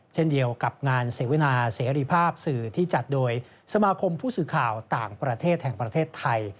เช่นเดียวกับงานเสวนาเสรีภาพสื่อที่จัดโดยสมาคมผู้สื่อข่าวต่างประเทศแห่งประเทศไทย